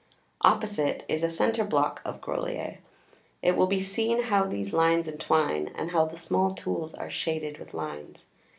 Opposite is a centre block of Grolier. It will be seen how these lines entwine, and how the small tools are shaded with lines.